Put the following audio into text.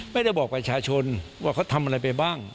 ไม่ได้บอกประชาชนว่าเขาทำอะไรไปบ้าง